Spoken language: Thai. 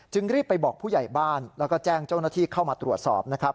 รีบไปบอกผู้ใหญ่บ้านแล้วก็แจ้งเจ้าหน้าที่เข้ามาตรวจสอบนะครับ